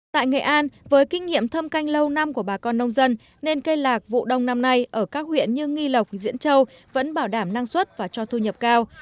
tại nghệ an với kinh nghiệm thâm canh lâu năm của bà con nông dân nên cây lạc vụ đông năm nay ở các huyện như nghi lộc diễn châu vẫn bảo đảm năng suất và cho thu nhập cao